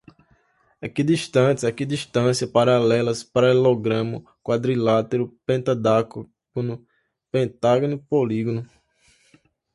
equidistantes, equidistância, paralelas, paralelogramo, quadrilátero, pentadacágono, pentágono, polígino